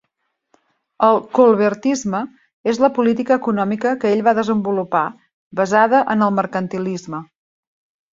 El colbertisme és la política econòmica que ell va desenvolupar, basada en el mercantilisme.